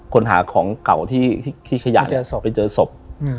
คนหาของเก่าที่ขยะไปเจอศพ